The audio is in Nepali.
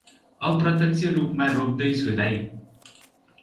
अप्रत्यक्ष रूपमा रोप्दै छु दाई।